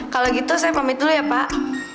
kalau gitu saya komit dulu ya pak